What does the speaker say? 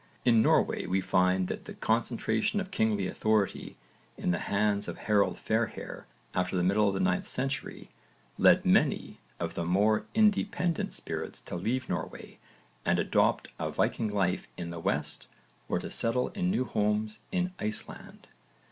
In Norway we find that the concentration of kingly authority in the hands of Harold Fairhair after the middle of the 9th century led many of the more independent spirits to leave Norway and adopt a Viking life in the West or to settle in new homes in Iceland.